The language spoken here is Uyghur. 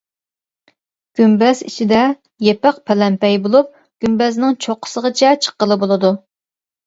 گۈمبەز ئىچىدە يېپىق پەلەمپەي بولۇپ، گۈمبەزنىڭ چوققىسىغىچە چىققىلى بولىدۇ.